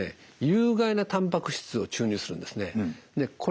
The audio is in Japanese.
有害なたんぱく質を注入するんですね。